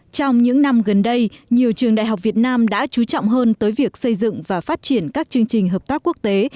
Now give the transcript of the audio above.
trong những năm gần đây nhiều trường đại học việt nam đã chú trọng hơn tới việc xây dựng và phát triển các chương trình hợp tác quốc tế